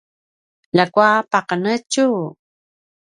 ljakua paqenetju